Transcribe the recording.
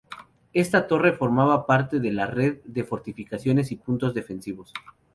Esta torre formaba parte de la red de fortificaciones y puntos defensivos.